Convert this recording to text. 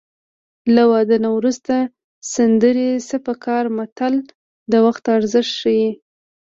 له واده نه وروسته سندرې څه په کار متل د وخت ارزښت ښيي